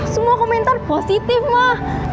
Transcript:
semua komentar positif ma